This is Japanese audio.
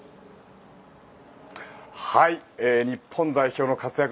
日本代表の活躍